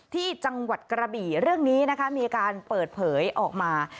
ที่จังหวัดกระบี่เรื่องนี้นะคะมีการเปิดเผยออกมา